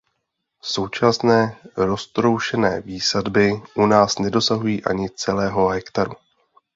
Současné roztroušené výsadby u nás nedosahují ani celého hektaru.